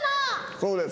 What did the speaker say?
そうです。